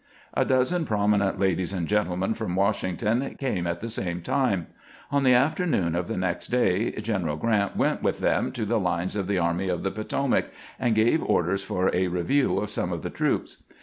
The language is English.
A dozen prominent ladies and gentlemen from "Washington came at the same time. On the afternoon of the next day G eneral Grant went with them to the lines of the Army of the Potomac, and gave orders for a review of some of the troops.